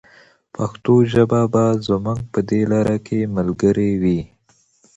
پښتو ژبه به زموږ په دې لاره کې ملګرې وي.